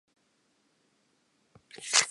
Ho ne ho na pula e ngata.